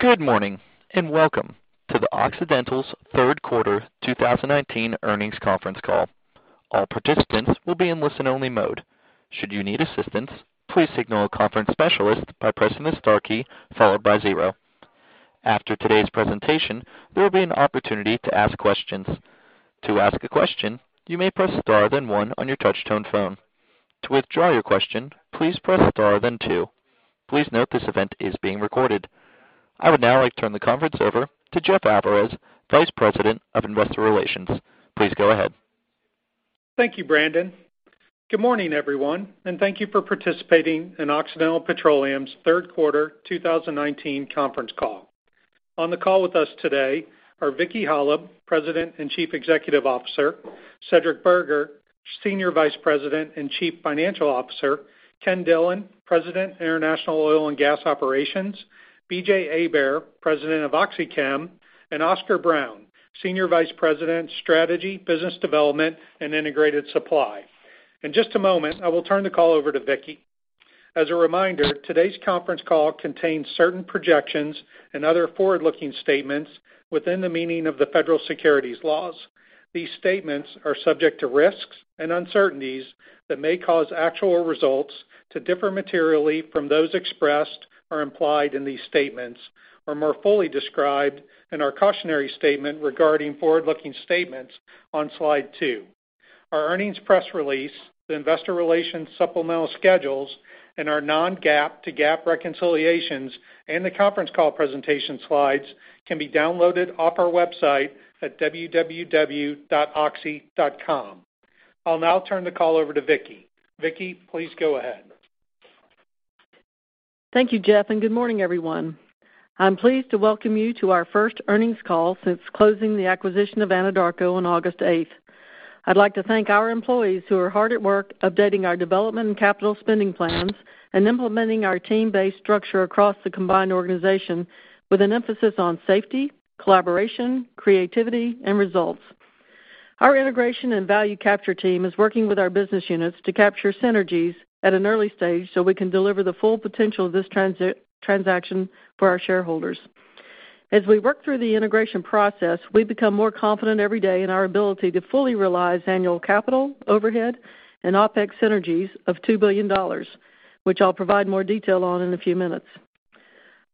Good morning, and welcome to the Occidental's third quarter 2019 earnings conference call. All participants will be in listen-only mode. Should you need assistance, please signal a conference specialist by pressing the star key followed by zero. After today's presentation, there will be an opportunity to ask questions. To ask a question, you may press star, then one on your touchtone phone. To withdraw your question, please press star, then two. Please note this event is being recorded. I would now like to turn the conference over to Jeff Alvarez, Vice President of Investor Relations. Please go ahead. Thank you, Brandon. Good morning, everyone, and thank you for participating in Occidental Petroleum's third quarter 2019 conference call. On the call with us today are Vicki Hollub, President and Chief Executive Officer, Cedric Burgher, Senior Vice President and Chief Financial Officer, Ken Dillon, President, International Oil and Gas Operations, B.J. Hebert, President of OxyChem, and Oscar Brown, Senior Vice President, Strategy, Business Development, and Integrated Supply. In just a moment, I will turn the call over to Vicki. As a reminder, today's conference call contains certain projections and other forward-looking statements within the meaning of the federal securities laws. These statements are subject to risks and uncertainties that may cause actual results to differ materially from those expressed or implied in these statements or more fully described in our cautionary statement regarding forward-looking statements on slide two. Our earnings press release, the investor relations supplemental schedules, and our non-GAAP to GAAP reconciliations, and the conference call presentation slides can be downloaded off our website at www.oxy.com. I'll now turn the call over to Vicki. Vicki, please go ahead. Thank you, Jeff, and good morning, everyone. I'm pleased to welcome you to our first earnings call since closing the acquisition of Anadarko on August 8th. I'd like to thank our employees who are hard at work updating our development and capital spending plans and implementing our team-based structure across the combined organization with an emphasis on safety, collaboration, creativity, and results. Our integration and value capture team is working with our business units to capture synergies at an early stage so we can deliver the full potential of this transaction for our shareholders. As we work through the integration process, we become more confident every day in our ability to fully realize annual capital, overhead, and OpEx synergies of $2 billion, which I'll provide more detail on in a few minutes.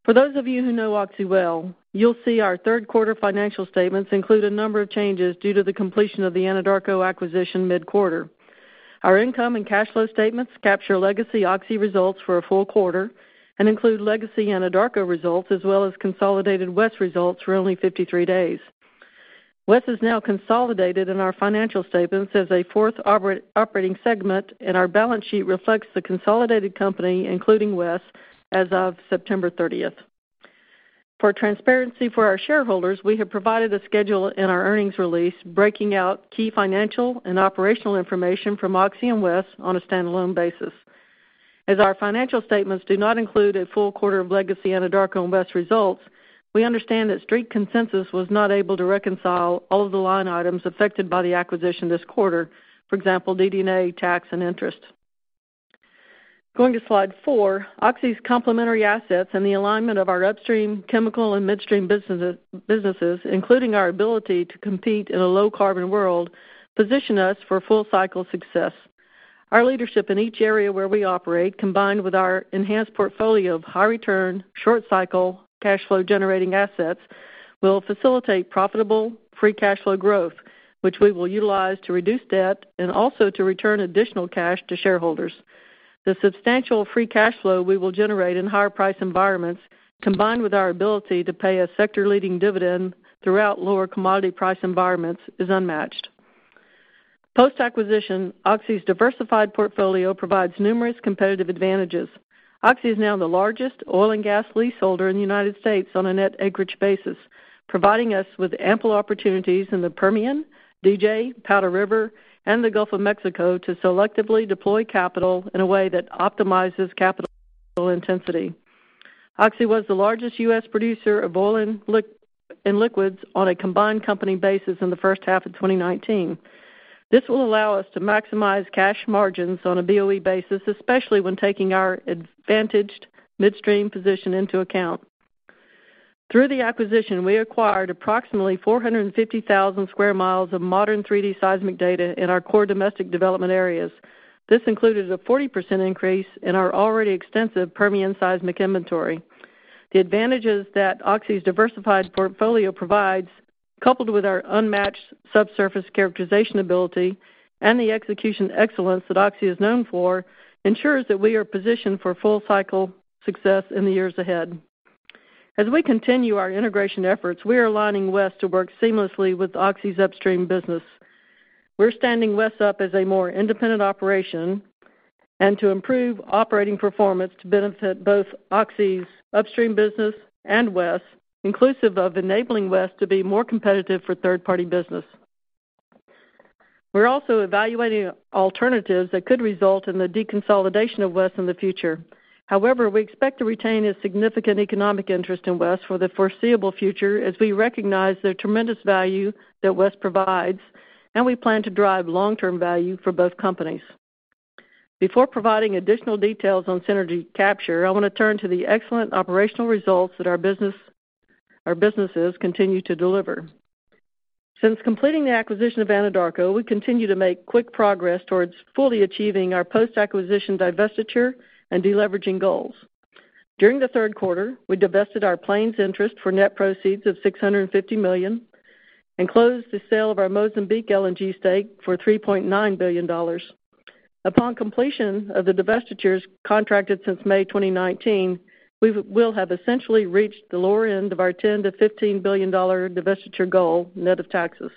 For those of you who know Oxy well, you'll see our third quarter financial statements include a number of changes due to the completion of the Anadarko acquisition mid-quarter. Our income and cash flow statements capture legacy Oxy results for a full quarter and include legacy Anadarko results, as well as consolidated WES results for only 53 days. WES is now consolidated in our financial statements as a fourth operating segment, and our balance sheet reflects the consolidated company, including WES as of September 30th. For transparency for our shareholders, we have provided a schedule in our earnings release, breaking out key financial and operational information from Oxy and WES on a standalone basis. As our financial statements do not include a full quarter of legacy Anadarko and WES results, we understand that Street Consensus was not able to reconcile all of the line items affected by the acquisition this quarter. For example, DD&A, tax, and interest. Going to slide four, Oxy's complementary assets and the alignment of our upstream chemical and midstream businesses, including our ability to compete in a low-carbon world, position us for full cycle success. Our leadership in each area where we operate, combined with our enhanced portfolio of high return, short cycle, cash flow generating assets, will facilitate profitable free cash flow growth, which we will utilize to reduce debt and also to return additional cash to shareholders. The substantial free cash flow we will generate in higher price environments, combined with our ability to pay a sector-leading dividend throughout lower commodity price environments, is unmatched. Post-acquisition, Oxy's diversified portfolio provides numerous competitive advantages. Oxy is now the largest oil and gas leaseholder in the U.S. on a net acreage basis, providing us with ample opportunities in the Permian, DJ, Powder River, and the Gulf of Mexico to selectively deploy capital in a way that optimizes capital intensity. Oxy was the largest U.S. producer of oil and liquids on a combined company basis in the first half of 2019. This will allow us to maximize cash margins on a BOE basis, especially when taking our advantaged midstream position into account. Through the acquisition, we acquired approximately 450,000 square miles of modern 3D seismic data in our core domestic development areas. This included a 40% increase in our already extensive Permian seismic inventory. The advantages that Oxy's diversified portfolio provides, coupled with our unmatched subsurface characterization ability and the execution excellence that Oxy is known for, ensures that we are positioned for full cycle success in the years ahead. As we continue our integration efforts, we are aligning WES to work seamlessly with Oxy's upstream business. We're standing WES up as a more independent operation and to improve operating performance to benefit both Oxy's upstream business and WES, inclusive of enabling WES to be more competitive for third-party business. We're also evaluating alternatives that could result in the deconsolidation of WES in the future. However, we expect to retain a significant economic interest in WES for the foreseeable future as we recognize the tremendous value that WES provides, and we plan to drive long-term value for both companies. Before providing additional details on synergy capture, I want to turn to the excellent operational results that our businesses continue to deliver. Since completing the acquisition of Anadarko, we continue to make quick progress towards fully achieving our post-acquisition divestiture and de-leveraging goals. During the third quarter, we divested our Plains interest for net proceeds of $650 million. Closed the sale of our Mozambique LNG stake for $3.9 billion. Upon completion of the divestitures contracted since May 2019, we'll have essentially reached the lower end of our $10 billion-$15 billion divestiture goal, net of taxes.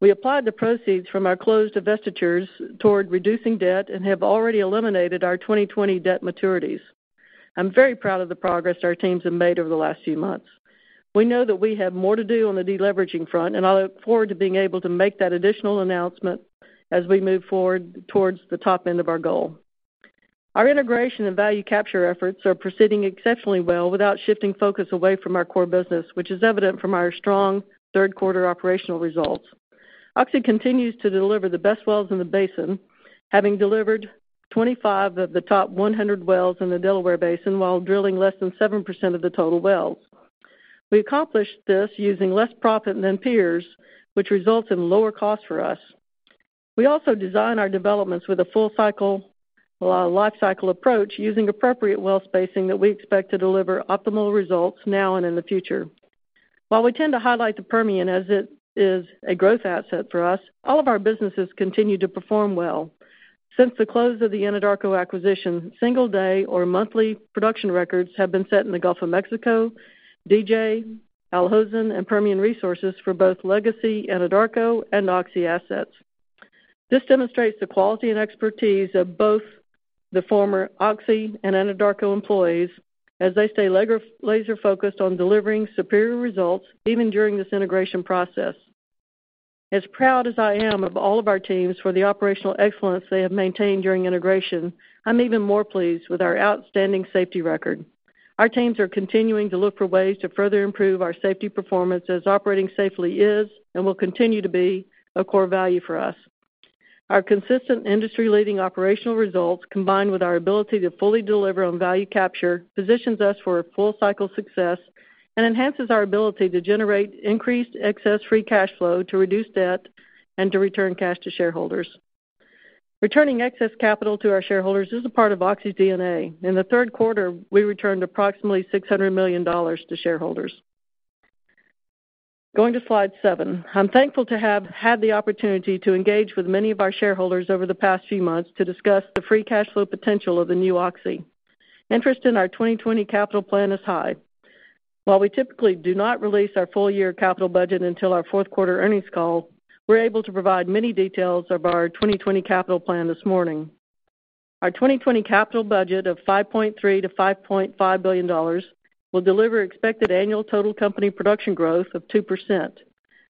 We applied the proceeds from our closed divestitures toward reducing debt and have already eliminated our 2020 debt maturities. I'm very proud of the progress our teams have made over the last few months. We know that we have more to do on the de-leveraging front, and I look forward to being able to make that additional announcement as we move forward towards the top end of our goal. Our integration and value capture efforts are proceeding exceptionally well without shifting focus away from our core business, which is evident from our strong third quarter operational results. Oxy continues to deliver the best wells in the basin, having delivered 25 of the top 100 wells in the Delaware Basin while drilling less than 7% of the total wells. We accomplished this using less proppant than peers, which results in lower costs for us. We also design our developments with a full life cycle approach using appropriate well spacing that we expect to deliver optimal results now and in the future. While we tend to highlight the Permian as it is a growth asset for us, all of our businesses continue to perform well. Since the close of the Anadarko acquisition, single-day or monthly production records have been set in the Gulf of Mexico, DJ, Al Hosn, and Permian Resources for both legacy Anadarko and Oxy assets. This demonstrates the quality and expertise of both the former Oxy and Anadarko employees as they stay laser-focused on delivering superior results even during this integration process. As proud as I am of all of our teams for the operational excellence they have maintained during integration, I'm even more pleased with our outstanding safety record. Our teams are continuing to look for ways to further improve our safety performance as operating safely is and will continue to be a core value for us. Our consistent industry-leading operational results, combined with our ability to fully deliver on value capture, positions us for a full cycle success and enhances our ability to generate increased excess free cash flow to reduce debt and to return cash to shareholders. Returning excess capital to our shareholders is a part of Oxy's DNA. In the third quarter, we returned approximately $600 million to shareholders. Going to slide seven. I'm thankful to have had the opportunity to engage with many of our shareholders over the past few months to discuss the free cash flow potential of the new Oxy. Interest in our 2020 capital plan is high. While we typically do not release our full-year capital budget until our fourth quarter earnings call, we're able to provide many details of our 2020 capital plan this morning. Our 2020 capital budget of $5.3 billion-$5.5 billion will deliver expected annual total company production growth of 2%.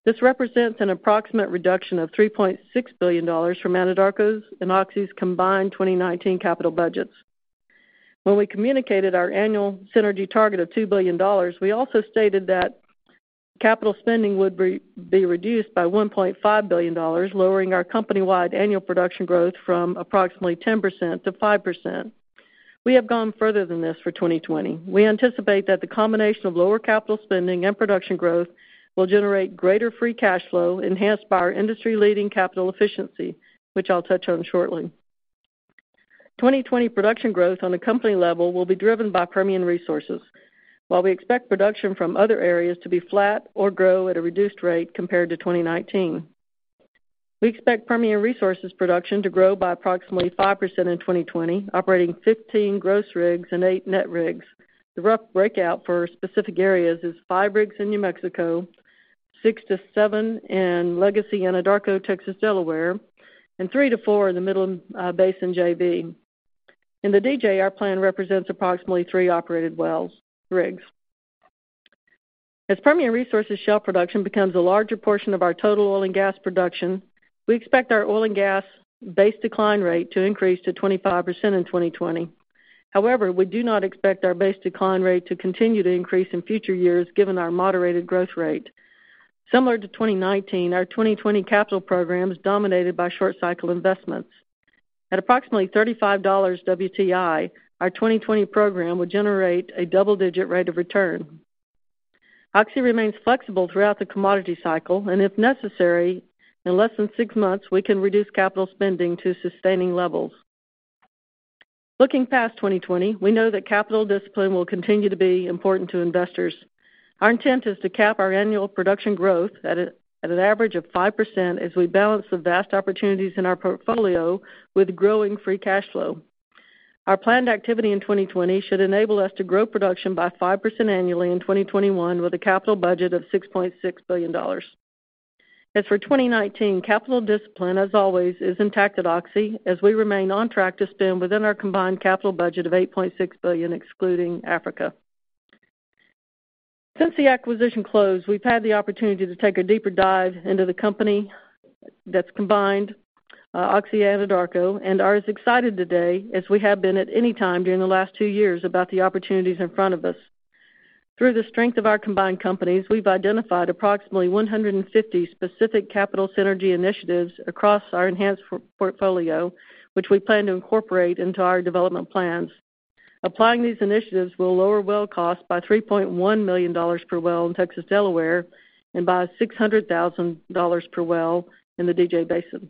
This represents an approximate reduction of $3.6 billion from Anadarko's and Oxy's combined 2019 capital budgets. When we communicated our annual synergy target of $2 billion, we also stated that capital spending would be reduced by $1.5 billion, lowering our company-wide annual production growth from approximately 10%-5%. We have gone further than this for 2020. We anticipate that the combination of lower capital spending and production growth will generate greater free cash flow enhanced by our industry-leading capital efficiency, which I'll touch on shortly. 2020 production growth on a company level will be driven by Permian Resources. While we expect production from other areas to be flat or grow at a reduced rate compared to 2019. We expect Permian Resources production to grow by approximately 5% in 2020, operating 15 gross rigs and eight net rigs. The rough breakout for specific areas is five rigs in New Mexico, six to seven in legacy Anadarko Texas-Delaware, and three to four in the Midland Basin JV. In the DJ, our plan represents approximately three operated rigs. As Permian Resources share production becomes a larger portion of our total oil and gas production, we expect our oil and gas base decline rate to increase to 25% in 2020. However, we do not expect our base decline rate to continue to increase in future years given our moderated growth rate. Similar to 2019, our 2020 capital program is dominated by short cycle investments. At approximately $35 WTI, our 2020 program will generate a double-digit rate of return. Oxy remains flexible throughout the commodity cycle, and if necessary, in less than six months, we can reduce capital spending to sustaining levels. Looking past 2020, we know that capital discipline will continue to be important to investors. Our intent is to cap our annual production growth at an average of 5% as we balance the vast opportunities in our portfolio with growing free cash flow. Our planned activity in 2020 should enable us to grow production by 5% annually in 2021 with a capital budget of $6.6 billion. As for 2019, capital discipline, as always, is intact at Oxy as we remain on track to stay within our combined capital budget of $8.6 billion excluding Africa. Since the acquisition closed, we've had the opportunity to take a deeper dive into the company that's combined Oxy, Anadarko, and are as excited today as we have been at any time during the last two years about the opportunities in front of us. Through the strength of our combined companies, we've identified approximately 150 specific capital synergy initiatives across our enhanced portfolio, which we plan to incorporate into our development plans. Applying these initiatives will lower well costs by $3.1 million per well in Texas-Delaware and by $600,000 per well in the DJ Basin.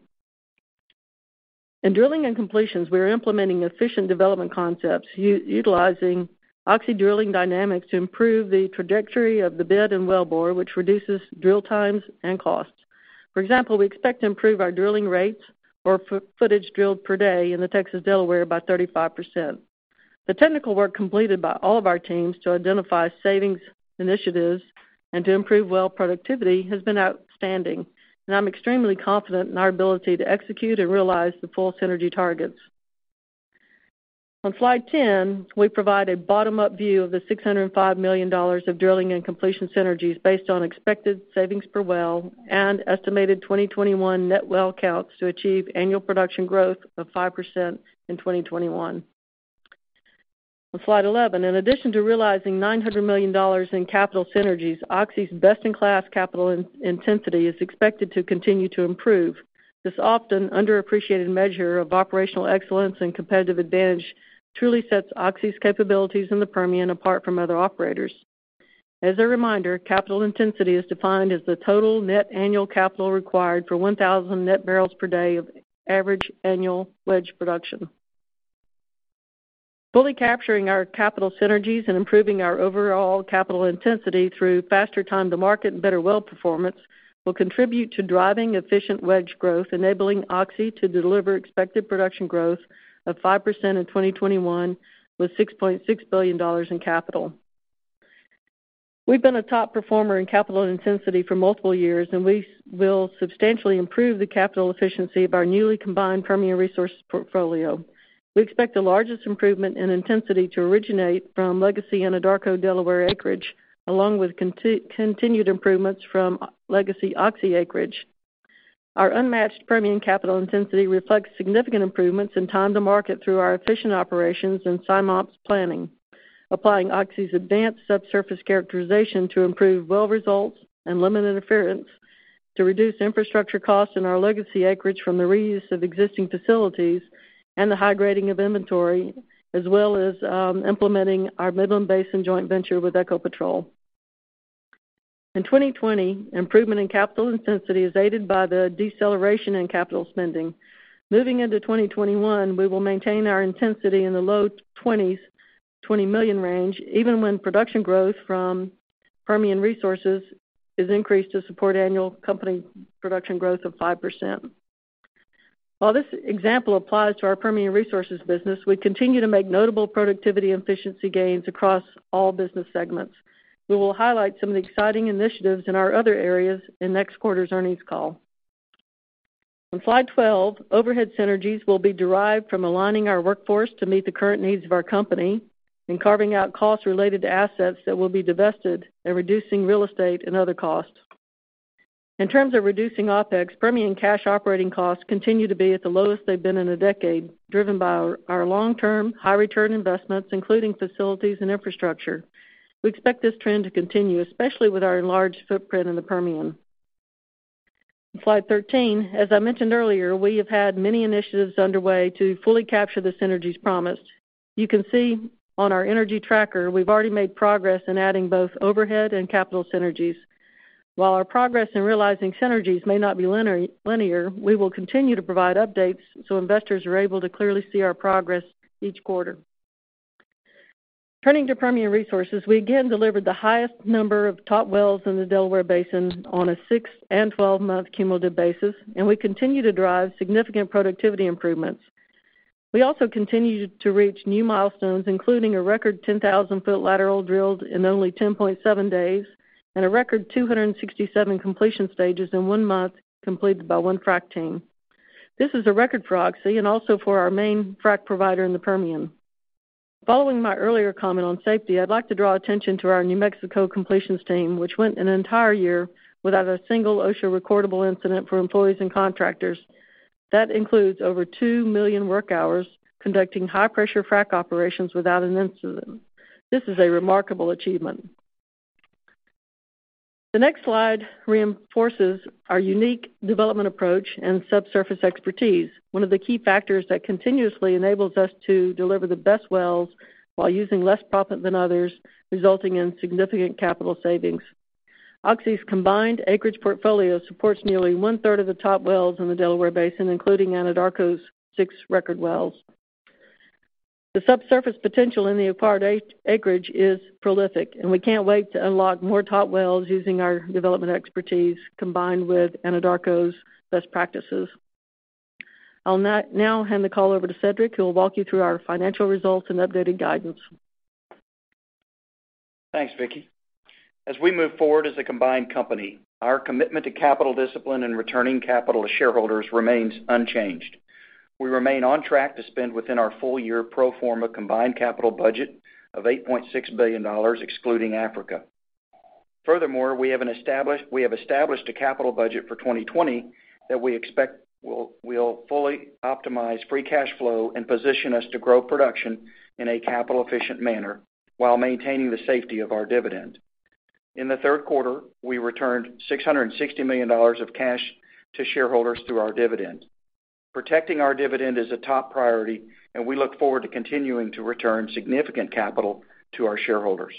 In drilling and completions, we are implementing efficient development concepts utilizing Oxy Drilling Dynamics to improve the trajectory of the bit and wellbore, which reduces drill times and costs. For example, we expect to improve our drilling rates or footage drilled per day in the Texas-Delaware by 35%. The technical work completed by all of our teams to identify savings initiatives and to improve well productivity has been outstanding, and I'm extremely confident in our ability to execute and realize the full synergy targets. On slide 10, we provide a bottom-up view of the $605 million of drilling and completion synergies based on expected savings per well and estimated 2021 net well counts to achieve annual production growth of 5% in 2021. On slide 11, in addition to realizing $900 million in capital synergies, Oxy's best-in-class capital intensity is expected to continue to improve. This often underappreciated measure of operational excellence and competitive advantage truly sets Oxy's capabilities in the Permian apart from other operators. As a reminder, capital intensity is defined as the total net annual capital required for 1,000 net barrels per day of average annual wedge production. Fully capturing our capital synergies and improving our overall capital intensity through faster time to market and better well performance will contribute to driving efficient wedge growth, enabling Oxy to deliver expected production growth of 5% in 2021, with $6.6 billion in capital. We've been a top performer in capital intensity for multiple years, and we will substantially improve the capital efficiency of our newly combined Permian resource portfolio. We expect the largest improvement in intensity to originate from legacy Anadarko Delaware acreage, along with continued improvements from legacy Oxy acreage. Our unmatched Permian capital intensity reflects significant improvements in time to market through our efficient operations and SimOps planning. Applying Oxy's advanced subsurface characterization to improve well results and limit interference, to reduce infrastructure costs in our legacy acreage from the reuse of existing facilities and the high grading of inventory, as well as implementing our Midland Basin joint venture with Ecopetrol. In 2020, improvement in capital intensity is aided by the deceleration in capital spending. Moving into 2021, we will maintain our intensity in the low 20s, $20 million range, even when production growth from Permian Resources is increased to support annual company production growth of 5%. While this example applies to our Permian Resources business, we continue to make notable productivity efficiency gains across all business segments. We will highlight some of the exciting initiatives in our other areas in next quarter's earnings call. On slide 12, overhead synergies will be derived from aligning our workforce to meet the current needs of our company and carving out costs related to assets that will be divested and reducing real estate and other costs. In terms of reducing OpEx, Permian cash operating costs continue to be at the lowest they've been in a decade, driven by our long-term, high-return investments, including facilities and infrastructure. We expect this trend to continue, especially with our enlarged footprint in the Permian. On slide 13, as I mentioned earlier, we have had many initiatives underway to fully capture the synergies promised. You can see on our energy tracker, we've already made progress in adding both overhead and capital synergies. While our progress in realizing synergies may not be linear, we will continue to provide updates so investors are able to clearly see our progress each quarter. Turning to Permian Resources, we again delivered the highest number of top wells in the Delaware Basin on a six and 12-month cumulative basis, we continue to drive significant productivity improvements. We also continue to reach new milestones, including a record 10,000-foot lateral drilled in only 10.7 days, and a record 267 completion stages in one month completed by one frac team. This is a record for Oxy and also for our main frac provider in the Permian. Following my earlier comment on safety, I'd like to draw attention to our New Mexico completions team, which went an entire year without a single OSHA recordable incident for employees and contractors. That includes over 2 million work hours conducting high-pressure frac operations without an incident. This is a remarkable achievement. The next slide reinforces our unique development approach and subsurface expertise, one of the key factors that continuously enables us to deliver the best wells while using less proppant than others, resulting in significant capital savings. Oxy's combined acreage portfolio supports nearly one-third of the top wells in the Delaware Basin, including Anadarko's six record wells. We can't wait to unlock more top wells using our development expertise combined with Anadarko's best practices. I'll now hand the call over to Cedric, who will walk you through our financial results and updated guidance. Thanks, Vicki. As we move forward as a combined company, our commitment to capital discipline and returning capital to shareholders remains unchanged. We remain on track to spend within our full-year pro forma combined capital budget of $8.6 billion, excluding Africa. Furthermore, we have established a capital budget for 2020 that we expect will fully optimize free cash flow and position us to grow production in a capital-efficient manner while maintaining the safety of our dividend. In the third quarter, we returned $660 million of cash to shareholders through our dividend. Protecting our dividend is a top priority, and we look forward to continuing to return significant capital to our shareholders.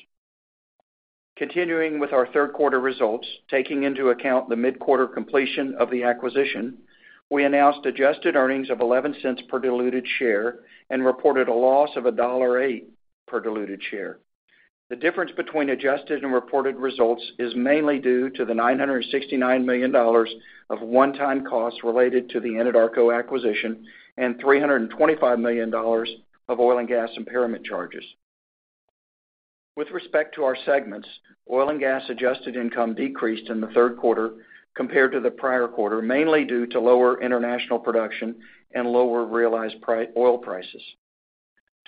Continuing with our third quarter results, taking into account the mid-quarter completion of the acquisition, we announced adjusted earnings of $0.11 per diluted share and reported a loss of $1.08 per diluted share. The difference between adjusted and reported results is mainly due to the $969 million of one-time costs related to the Anadarko acquisition and $325 million of oil and gas impairment charges. With respect to our segments, oil and gas adjusted income decreased in the third quarter compared to the prior quarter, mainly due to lower international production and lower realized oil prices.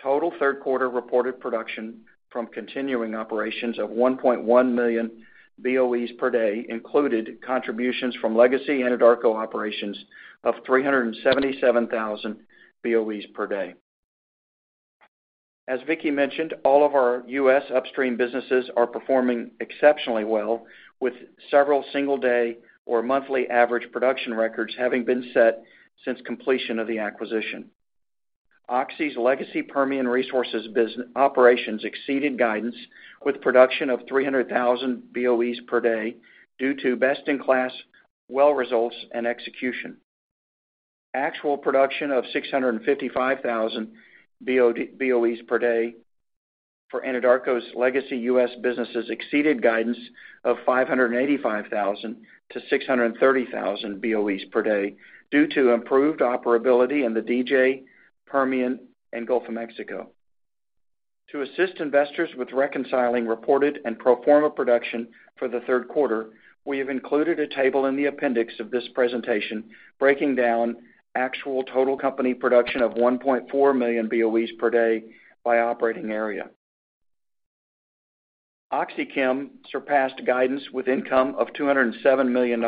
Total third quarter reported production from continuing operations of 1.1 million BOEs per day included contributions from legacy Anadarko operations of 377,000 BOEs per day. As Vicki mentioned, all of our U.S. upstream businesses are performing exceptionally well, with several single day or monthly average production records having been set since completion of the acquisition. Oxy's legacy Permian Resources operations exceeded guidance with production of 300,000 BOEs per day due to best-in-class well results and execution. Actual production of 655,000 BOEs per day for Anadarko's legacy U.S. businesses exceeded guidance of 585,000-630,000 BOEs per day due to improved operability in the DJ, Permian, and Gulf of Mexico. To assist investors with reconciling reported and pro forma production for the third quarter, we have included a table in the appendix of this presentation, breaking down actual total company production of 1.4 million BOEs per day by operating area. OxyChem surpassed guidance with income of $207 million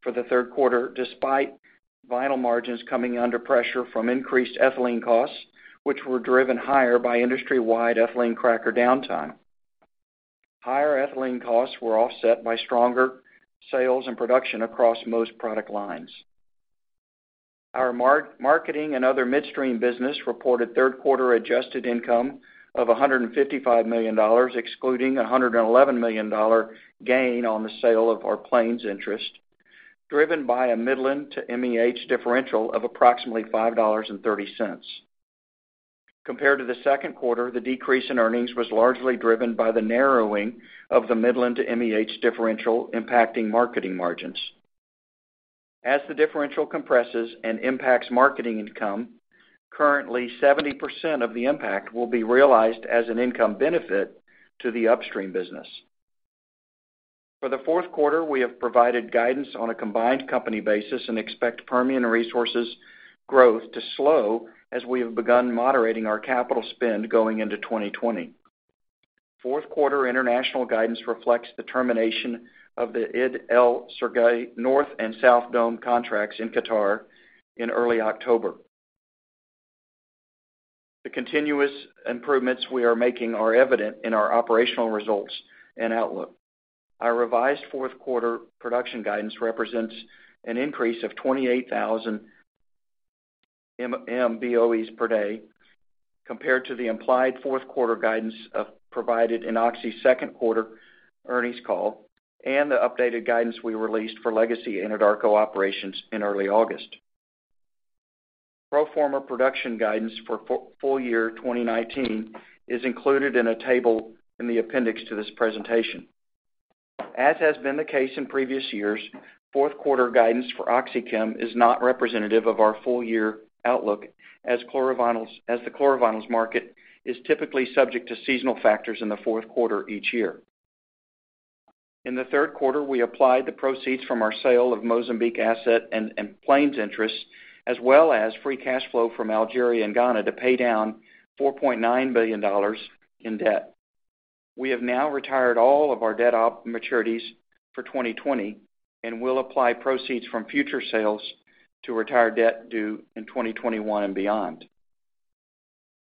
for the third quarter, despite vinyl margins coming under pressure from increased ethylene costs, which were driven higher by industry-wide ethylene cracker downtime. Higher ethylene costs were offset by stronger sales and production across most product lines. Our marketing and other midstream business reported third quarter adjusted income of $155 million, excluding $111 million gain on the sale of our Plains interest, driven by a Midland to MEH differential of approximately $5.30. Compared to the second quarter, the decrease in earnings was largely driven by the narrowing of the Midland to MEH differential impacting marketing margins. As the differential compresses and impacts marketing income, currently 70% of the impact will be realized as an income benefit to the upstream business. For the fourth quarter, we have provided guidance on a combined company basis and expect Permian Resources growth to slow as we have begun moderating our capital spend going into 2020. Fourth quarter international guidance reflects the termination of the Idd El Shargi contracts in Qatar in early October. The continuous improvements we are making are evident in our operational results and outlook. Our revised fourth quarter production guidance represents an increase of 28,000 BOEs per day compared to the implied fourth quarter guidance provided in Oxy's second quarter earnings call and the updated guidance we released for legacy Anadarko operations in early August. Pro forma production guidance for full year 2019 is included in a table in the appendix to this presentation. As has been the case in previous years, fourth quarter guidance for OxyChem is not representative of our full-year outlook, as the chlor-vinyls market is typically subject to seasonal factors in the fourth quarter each year. In the third quarter, we applied the proceeds from our sale of Mozambique asset and Plains interests, as well as free cash flow from Algeria and Ghana to pay down $4.9 billion in debt. We have now retired all of our debt maturities for 2020 and will apply proceeds from future sales to retire debt due in 2021 and beyond.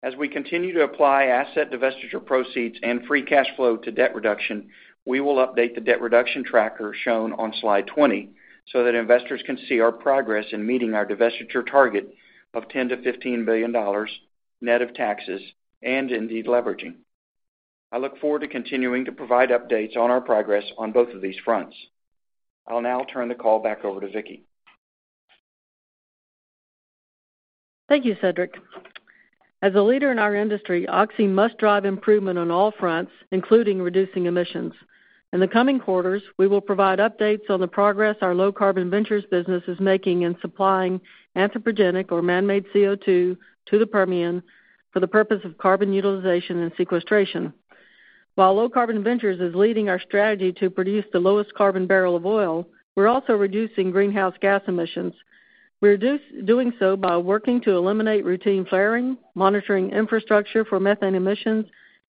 As we continue to apply asset divestiture proceeds and free cash flow to debt reduction, we will update the debt reduction tracker shown on slide 20 so that investors can see our progress in meeting our divestiture target of $10 billion-$15 billion net of taxes and deleveraging. I look forward to continuing to provide updates on our progress on both of these fronts. I'll now turn the call back over to Vicki. Thank you, Cedric. As a leader in our industry, Oxy must drive improvement on all fronts, including reducing emissions. In the coming quarters, we will provide updates on the progress our Low Carbon Ventures business is making in supplying anthropogenic or man-made CO2 to the Permian for the purpose of carbon utilization and sequestration. While Low Carbon Ventures is leading our strategy to produce the lowest carbon barrel of oil, we're also reducing greenhouse gas emissions. We're doing so by working to eliminate routine flaring, monitoring infrastructure for methane emissions.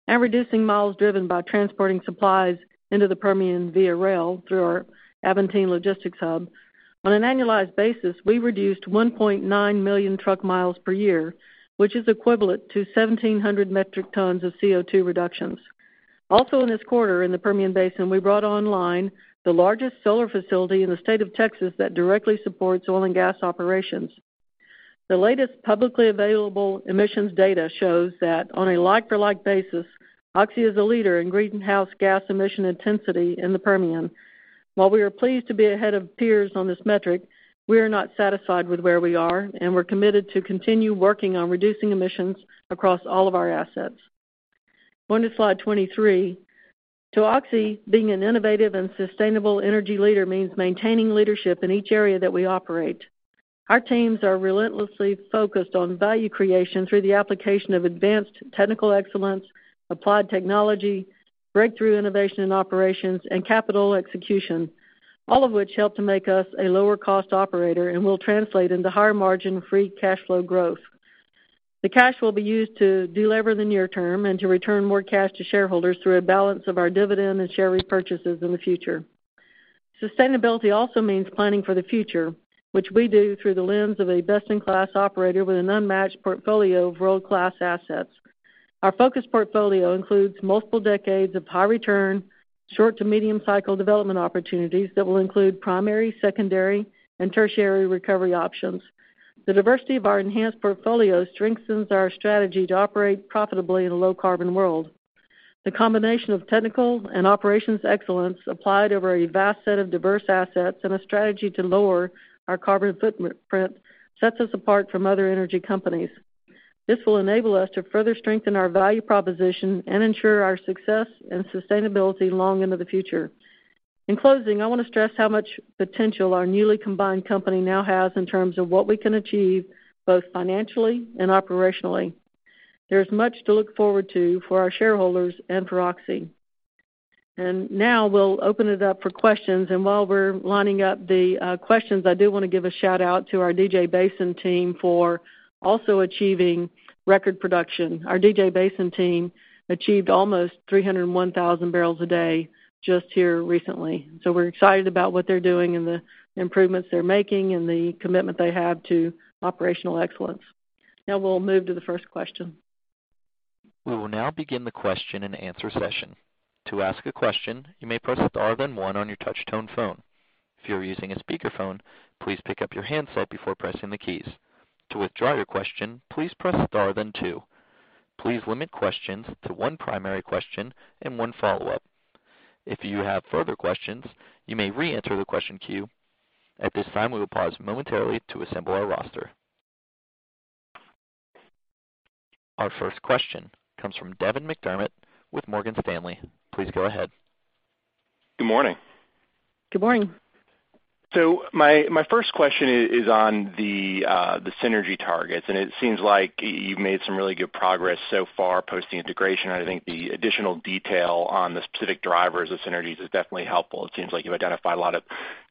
Reducing miles driven by transporting supplies into the Permian via rail through our Avanti logistics hub. On an annualized basis, we reduced 1.9 million truck miles per year, which is equivalent to 1,700 metric tons of CO2 reductions. Also in this quarter in the Permian Basin, we brought online the largest solar facility in the state of Texas that directly supports oil and gas operations. The latest publicly available emissions data shows that on a like-for-like basis, Oxy is a leader in greenhouse gas emission intensity in the Permian. While we are pleased to be ahead of peers on this metric, we are not satisfied with where we are, and we're committed to continue working on reducing emissions across all of our assets. Going to slide 23. To Oxy, being an innovative and sustainable energy leader means maintaining leadership in each area that we operate. Our teams are relentlessly focused on value creation through the application of advanced technical excellence, applied technology, breakthrough innovation in operations, and capital execution, all of which help to make us a lower cost operator and will translate into higher margin free cash flow growth. The cash will be used to delever the near term and to return more cash to shareholders through a balance of our dividend and share repurchases in the future. Sustainability also means planning for the future, which we do through the lens of a best-in-class operator with an unmatched portfolio of world-class assets. Our focus portfolio includes multiple decades of high return, short to medium cycle development opportunities that will include primary, secondary, and tertiary recovery options. The diversity of our enhanced portfolio strengthens our strategy to operate profitably in a low carbon world. The combination of technical and operations excellence applied over a vast set of diverse assets and a strategy to lower our carbon footprint sets us apart from other energy companies. This will enable us to further strengthen our value proposition and ensure our success and sustainability long into the future. In closing, I want to stress how much potential our newly combined company now has in terms of what we can achieve both financially and operationally. There's much to look forward to for our shareholders and for Oxy. Now we'll open it up for questions. While we're lining up the questions, I do want to give a shout-out to our DJ Basin team for also achieving record production. Our DJ Basin team achieved almost 301,000 barrels a day just here recently. We're excited about what they're doing and the improvements they're making and the commitment they have to operational excellence. Now we'll move to the first question. We will now begin the question and answer session. To ask a question, you may press star then one on your touch tone phone. If you are using a speakerphone, please pick up your handset before pressing the keys. To withdraw your question, please press star then two. Please limit questions to one primary question and one follow-up. If you have further questions, you may re-enter the question queue. At this time, we will pause momentarily to assemble our roster. Our first question comes from Devin McDermott with Morgan Stanley. Please go ahead. Good morning. Good morning. My first question is on the synergy targets, and it seems like you've made some really good progress so far post the integration. I think the additional detail on the specific drivers of synergies is definitely helpful. It seems like you've identified a lot of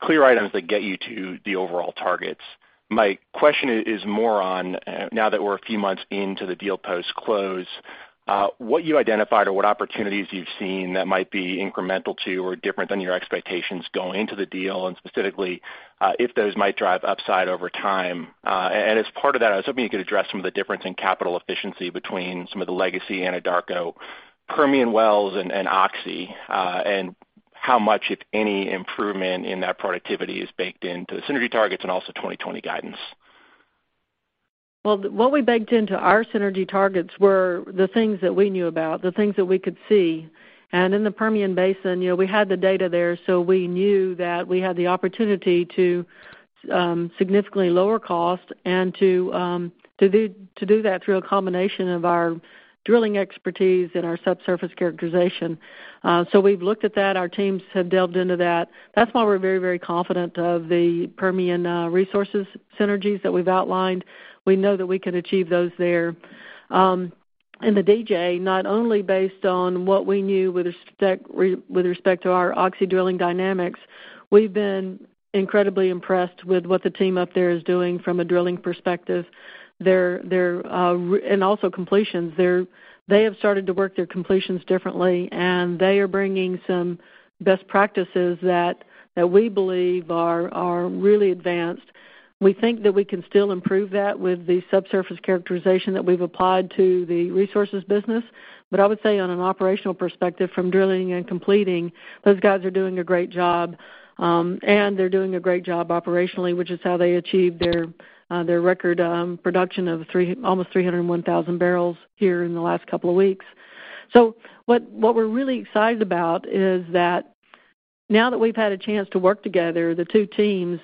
clear items that get you to the overall targets. My question is more on, now that we're a few months into the deal post-close, what you identified or what opportunities you've seen that might be incremental to or different than your expectations going into the deal, and specifically, if those might drive upside over time. As part of that, I was hoping you could address some of the difference in capital efficiency between some of the legacy Anadarko Permian wells and Oxy, and how much, if any, improvement in that productivity is baked into the synergy targets and also 2020 guidance. Well, what we baked into our synergy targets were the things that we knew about, the things that we could see. In the Permian Basin, we had the data there, so we knew that we had the opportunity to significantly lower cost and to do that through a combination of our drilling expertise and our subsurface characterization. We've looked at that. Our teams have delved into that. That's why we're very, very confident of the Permian Resources synergies that we've outlined. We know that we can achieve those there. In the DJ, not only based on what we knew with respect to our Oxy Drilling Dynamics, we've been incredibly impressed with what the team up there is doing from a drilling perspective and also completions. They have started to work their completions differently. They are bringing some best practices that we believe are really advanced. We think that we can still improve that with the subsurface characterization that we've applied to the resources business. I would say on an operational perspective from drilling and completing, those guys are doing a great job, and they're doing a great job operationally, which is how they achieved their record production of almost 301,000 barrels here in the last couple of weeks. What we're really excited about is that now that we've had a chance to work together, the two teams,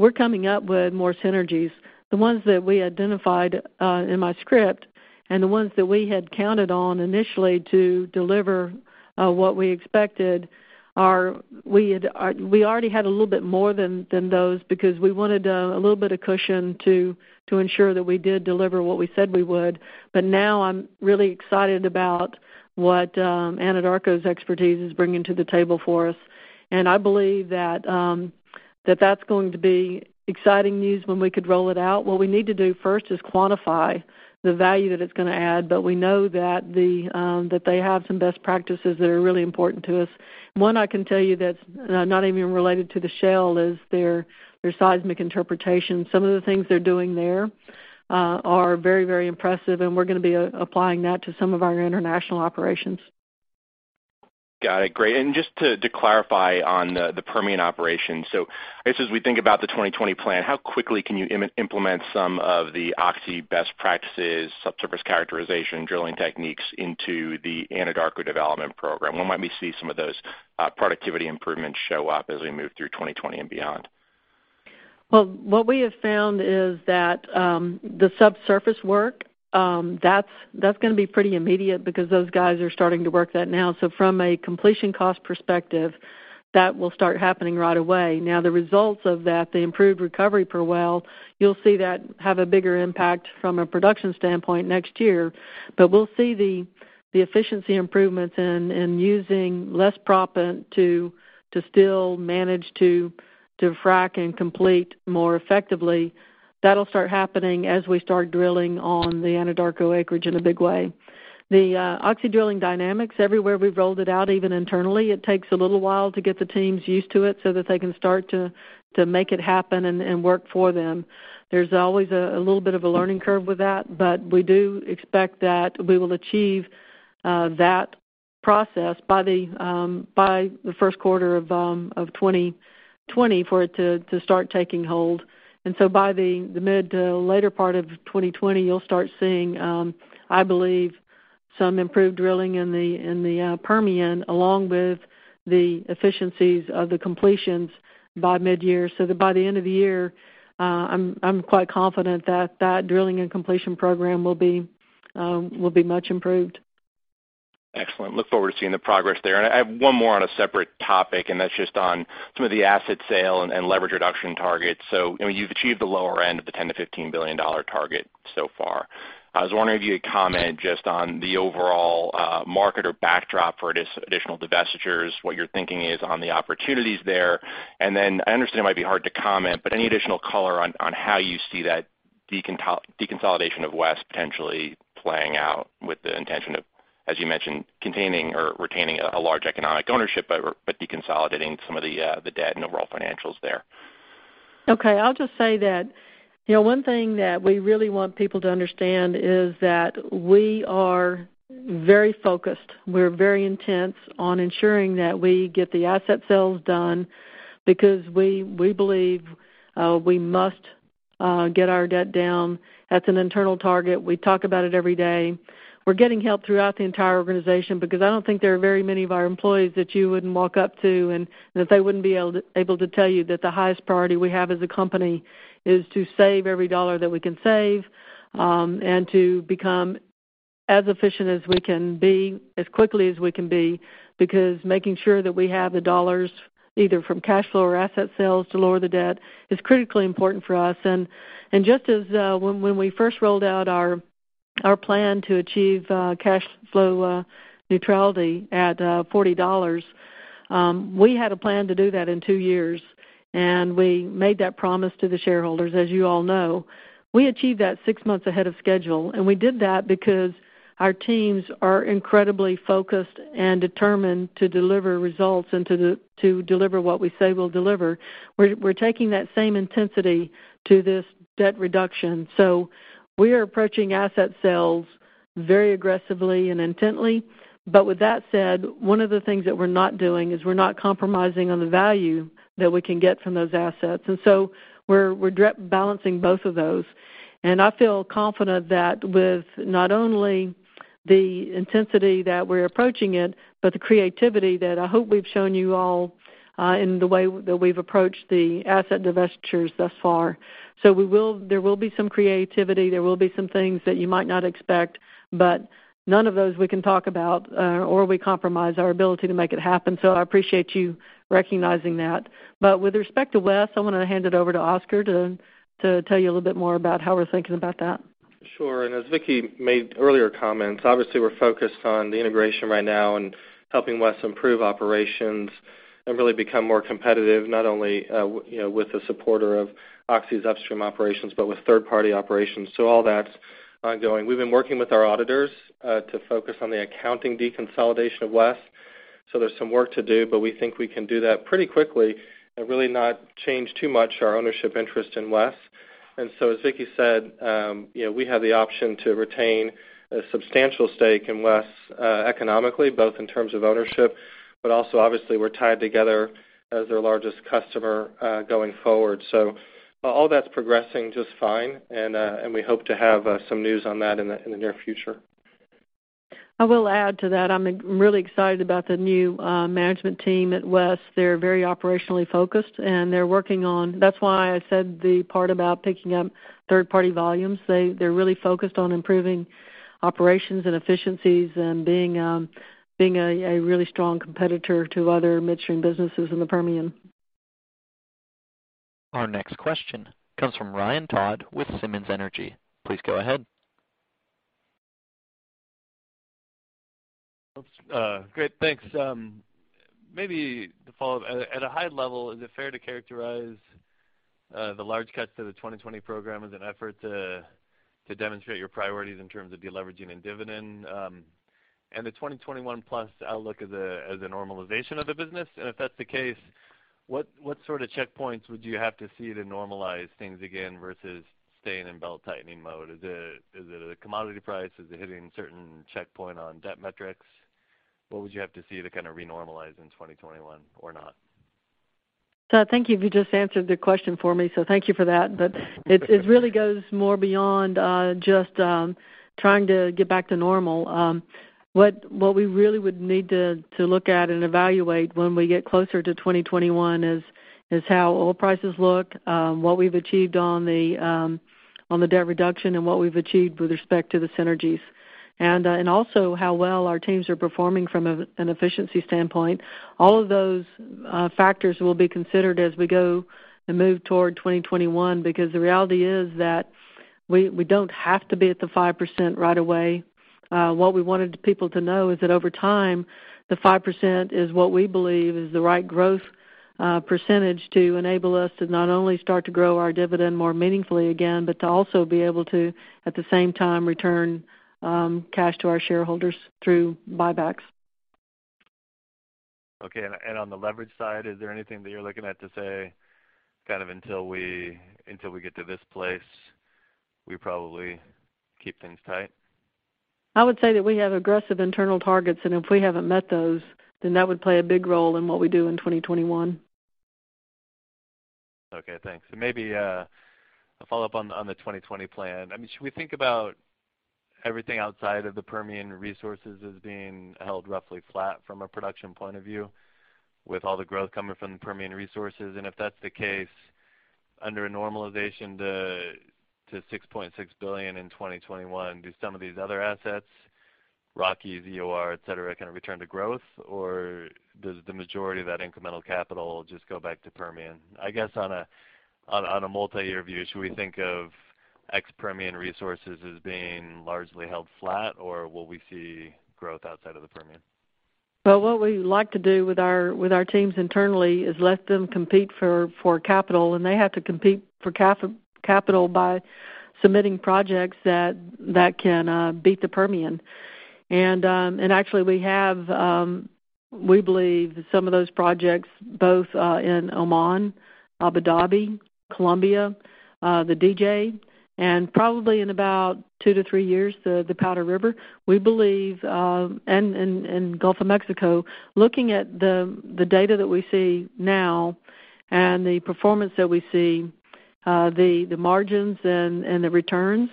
we're coming up with more synergies. The ones that we identified in my script. The ones that we had counted on initially to deliver what we expected, we already had a little bit more than those because we wanted a little bit of cushion to ensure that we did deliver what we said we would. Now I'm really excited about what Anadarko's expertise is bringing to the table for us. I believe that that's going to be exciting news when we could roll it out. What we need to do first is quantify the value that it's going to add, but we know that they have some best practices that are really important to us. One I can tell you that's not even related to the shale is their seismic interpretation. Some of the things they're doing there are very impressive, and we're going to be applying that to some of our international operations. Got it. Great. Just to clarify on the Permian operation. I guess as we think about the 2020 plan, how quickly can you implement some of the Oxy best practices, subsurface characterization, drilling techniques into the Anadarko development program? When might we see some of those productivity improvements show up as we move through 2020 and beyond? Well, what we have found is that the subsurface work, that is going to be pretty immediate because those guys are starting to work that now. From a completion cost perspective, that will start happening right away. Now, the results of that, the improved recovery per well, you will see that have a bigger impact from a production standpoint next year. We will see the efficiency improvements and using less proppant to still manage to frac and complete more effectively. That will start happening as we start drilling on the Anadarko acreage in a big way. The Oxy Drilling Dynamics, everywhere we have rolled it out, even internally, it takes a little while to get the teams used to it so that they can start to make it happen and work for them. There's always a little bit of a learning curve with that, but we do expect that we will achieve that process by the first quarter of 2020 for it to start taking hold. By the mid to later part of 2020, you'll start seeing, I believe, some improved drilling in the Permian, along with the efficiencies of the completions by mid-year, so that by the end of the year, I'm quite confident that that drilling and completion program will be much improved. Excellent. Look forward to seeing the progress there. I have one more on a separate topic, that's just on some of the asset sale and leverage reduction targets. You've achieved the lower end of the $10 billion-$15 billion target so far. I was wondering if you could comment just on the overall market or backdrop for additional divestitures, what your thinking is on the opportunities there. I understand it might be hard to comment, but any additional color on how you see that deconsolidation of WES potentially playing out with the intention of, as you mentioned, containing or retaining a large economic ownership, but deconsolidating some of the debt and overall financials there? Okay. I'll just say that one thing that we really want people to understand is that we are very focused. We're very intense on ensuring that we get the asset sales done because we believe we must get our debt down. That's an internal target. We talk about it every day. We're getting help throughout the entire organization because I don't think there are very many of our employees that you wouldn't walk up to and that they wouldn't be able to tell you that the highest priority we have as a company is to save every dollar that we can save, and to become as efficient as we can be, as quickly as we can be. Making sure that we have the dollars, either from cash flow or asset sales to lower the debt is critically important for us. Just as when we first rolled out our plan to achieve cash flow neutrality at $40, we had a plan to do that in 2 years, and we made that promise to the shareholders, as you all know. We achieved that 6 months ahead of schedule, and we did that because our teams are incredibly focused and determined to deliver results and to deliver what we say we'll deliver. We're taking that same intensity to this debt reduction. We are approaching asset sales very aggressively and intently. With that said, one of the things that we're not doing is we're not compromising on the value that we can get from those assets. We're balancing both of those. I feel confident that with not only the intensity that we're approaching it, but the creativity that I hope we've shown you all in the way that we've approached the asset divestitures thus far. There will be some creativity. There will be some things that you might not expect, but none of those we can talk about, or we compromise our ability to make it happen. I appreciate you recognizing that. With respect to WES, I want to hand it over to Oscar to tell you a little bit more about how we're thinking about that. Sure. As Vicki made earlier comments, obviously, we're focused on the integration right now and helping WES improve operations and really become more competitive, not only with the supporter of Oxy's upstream operations, but with third-party operations. All that's ongoing. We've been working with our auditors to focus on the accounting deconsolidation of WES. There's some work to do, but we think we can do that pretty quickly and really not change too much our ownership interest in WES. As Vicki said, we have the option to retain a substantial stake in WES economically, both in terms of ownership, but also, obviously, we're tied together as their largest customer going forward. All that's progressing just fine, and we hope to have some news on that in the near future. I will add to that. I'm really excited about the new management team at WES. They're very operationally focused. That's why I said the part about picking up third-party volumes. They're really focused on improving operations and efficiencies and being a really strong competitor to other midstream businesses in the Permian. Our next question comes from Ryan Todd with Simmons Energy. Please go ahead. Great. Thanks. Maybe to follow up, at a high level, is it fair to characterize the large cuts to the 2020 program as an effort to demonstrate your priorities in terms of deleveraging and dividend, and the 2021 plus outlook as a normalization of the business? If that's the case, what sort of checkpoints would you have to see to normalize things again versus staying in belt-tightening mode? Is it a commodity price? Is it hitting a certain checkpoint on debt metrics? What would you have to see to kind of re-normalize in 2021 or not? I think you just answered the question for me, thank you for that. It really goes more beyond just trying to get back to normal. What we really would need to look at and evaluate when we get closer to 2021 is how oil prices look, what we've achieved on the debt reduction, and what we've achieved with respect to the synergies. Also how well our teams are performing from an efficiency standpoint. All of those factors will be considered as we go and move toward 2021, because the reality is that we don't have to be at the 5% right away. What we wanted people to know is that over time, the 5% is what we believe is the right growth percentage to enable us to not only start to grow our dividend more meaningfully again, but to also be able to, at the same time, return cash to our shareholders through buybacks. Okay. On the leverage side, is there anything that you're looking at to say, kind of until we get to this place, we probably keep things tight? I would say that we have aggressive internal targets, and if we haven't met those, then that would play a big role in what we do in 2021. Okay, thanks. Maybe a follow-up on the 2020 plan. Should we think about everything outside of the Permian Resources as being held roughly flat from a production point of view, with all the growth coming from the Permian Resources? If that's the case, under a normalization to $6.6 billion in 2021, do some of these other assets, Rockies, EOR, et cetera, kind of return to growth? Does the majority of that incremental capital just go back to Permian? I guess on a multi-year view, should we think of ex Permian Resources as being largely held flat, or will we see growth outside of the Permian? Well, what we like to do with our teams internally is let them compete for capital. They have to compete for capital by submitting projects that can beat the Permian. Actually, we have, we believe, some of those projects, both in Oman, Abu Dhabi, Colombia, the DJ, and probably in about two to three years, the Powder River and Gulf of Mexico. Looking at the data that we see now and the performance that we see, the margins and the returns,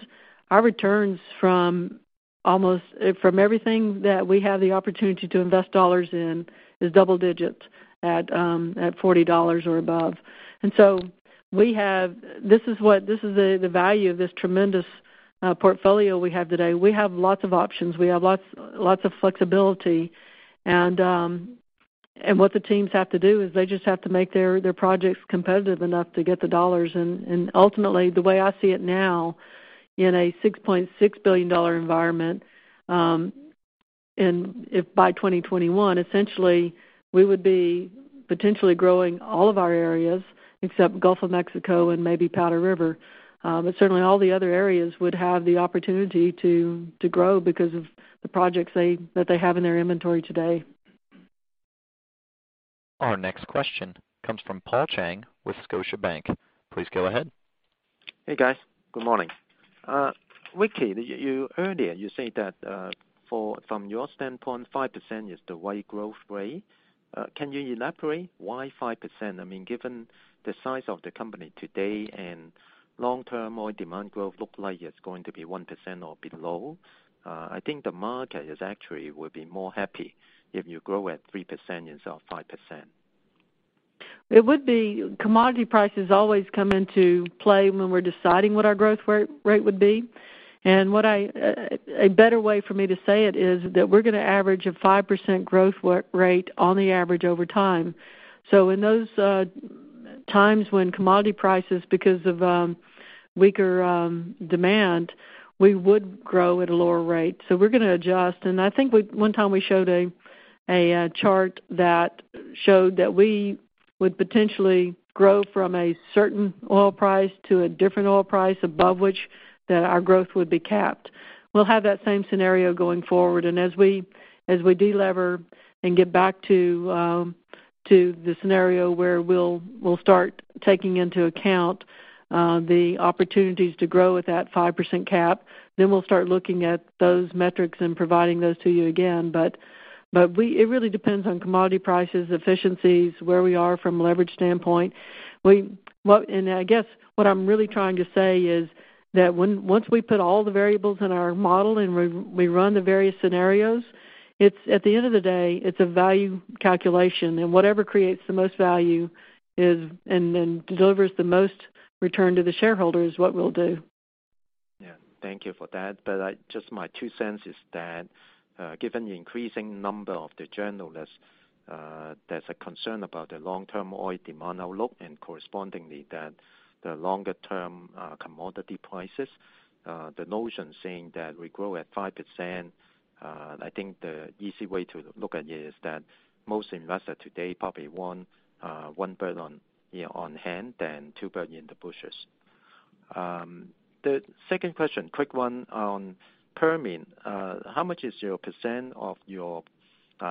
our returns from everything that we have the opportunity to invest dollars in is double digits at $40 or above. This is the value of this tremendous portfolio we have today. We have lots of options. We have lots of flexibility. What the teams have to do is they just have to make their projects competitive enough to get the dollars. Ultimately, the way I see it now, in a $6.6 billion environment, if by 2021, essentially, we would be potentially growing all of our areas except Gulf of Mexico and maybe Powder River. Certainly, all the other areas would have the opportunity to grow because of the projects that they have in their inventory today. Our next question comes from Paul Cheng with Scotiabank. Please go ahead. Hey, guys. Good morning. Vicki, earlier you said that from your standpoint, 5% is the right growth rate. Can you elaborate why 5%? Given the size of the company today and long term, oil demand growth looks like it's going to be 1% or below. I think the market actually would be more happy if you grow at 3% instead of 5%. It would be. Commodity prices always come into play when we're deciding what our growth rate would be. A better way for me to say it is that we're going to average a 5% growth rate on the average over time. In those times when commodity prices, because of weaker demand, we would grow at a lower rate. We're going to adjust. I think one time we showed a chart that showed that we would potentially grow from a certain oil price to a different oil price above which that our growth would be capped. We'll have that same scenario going forward. As we de-lever and get back to the scenario where we'll start taking into account the opportunities to grow with that 5% cap, we'll start looking at those metrics and providing those to you again. It really depends on commodity prices, efficiencies, where we are from a leverage standpoint. I guess what I'm really trying to say is that once we put all the variables in our model and we run the various scenarios, at the end of the day, it's a value calculation and whatever creates the most value and then delivers the most return to the shareholder is what we'll do. Thank you for that. Just my two cents is that, given the increasing number of the journalists, there's a concern about the long-term oil demand outlook, and correspondingly, the longer-term commodity prices. The notion saying that we grow at 5%, I think the easy way to look at it is that most investors today probably want one bird on hand than two birds in the bushes. The second question, quick one on Permian. How much is your % of your